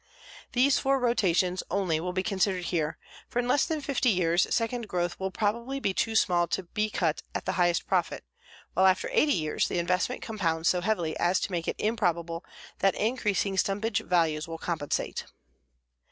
These four rotations only will be considered here, for in less than 50 years second growth will probably be too small to be cut at the highest profit, while after 80 years the investment compounds so heavily as to make it improbable that increasing stumpage values will compensate.